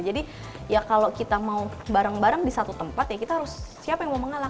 jadi ya kalau kita mau bareng bareng di satu tempat ya kita harus siapa yang mau mengalah